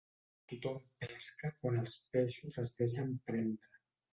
Tothom pesca quan els peixos es deixen prendre.